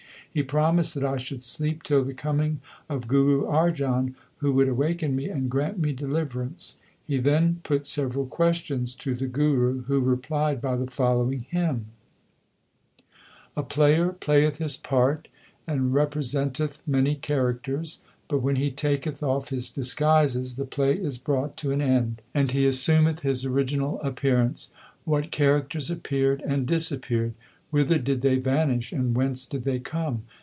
He promised that I should sleep till the coming of Guru Arjan, who would awaken me and grant me deliverance/ He then put 1 Suraj Parkash) Ras II, Chapter 29. 8 Dalbergia St ssoo. LIFE OF GURU ARJAN 3 several questions to the Guru, who replied by the following hymn : A player playeth his part And representeth many characters ; But when he taketh off his disguises the play is brought to an end, And he assumeth his original appearance. What characters appeared and disappeared ! Whither did they vanish and whence did they come